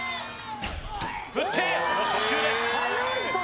振ってその初球です